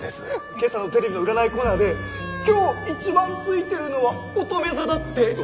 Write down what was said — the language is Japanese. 今朝のテレビの占いコーナーで今日一番ツイてるのは乙女座だって。